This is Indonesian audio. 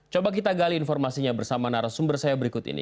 coba kita gali informasinya bersama narasumber saya berikut ini